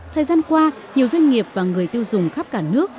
thời gian qua nhiều doanh nghiệp và người tiêu dùng khắp cả nước